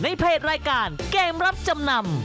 เพจรายการเกมรับจำนำ